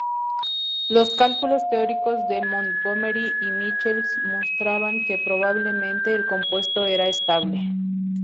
Los cálculos teóricos de Montgomery y Michels mostraban que, probablemente, el compuesto era estable.